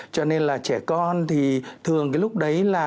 trẻ con thì thường cái lúc đấy là